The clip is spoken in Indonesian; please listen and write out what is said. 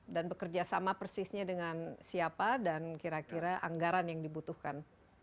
dan bekerja sama persisnya dengan siapa dan kira kira anggaran yang dibutuhkan